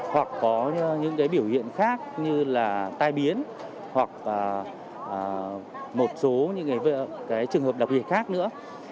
hoặc có những biểu hiện khác như là tai biến hoặc một số những trường hợp đặc biệt khác nữa